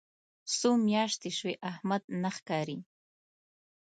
څو میاشتې شوې احمد نه ښکاري.